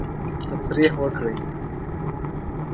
تفریح وکړئ.